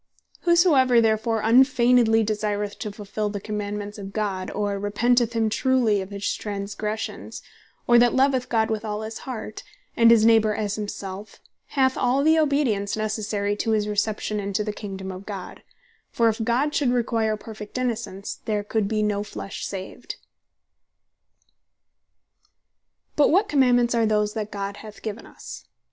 Whosoever therefore unfeignedly desireth to fulfill the Commandements of God, or repenteth him truely of his transgressions, or that loveth God with all his heart, and his neighbor as himself, hath all the Obedience Necessary to his Reception into the Kingdome of God: For if God should require perfect Innocence, there could no flesh be saved. And To What Laws But what Commandements are those that God hath given us?